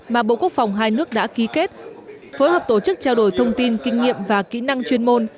mà bộ quốc phòng hai nước đã ký kết phối hợp tổ chức trao đổi thông tin kinh nghiệm và kỹ năng chuyên môn